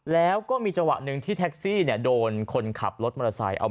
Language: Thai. แล้วก็มีจังหวะหนึ่งที่แท็กซี่โดนคนขับรถมอเตอร์ไซค์